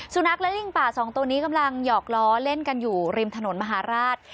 สุนัขและลิงป่าสองตัวนี้กำลังหยอกล้อเล่นกันอยู่ริมถนนมหาราช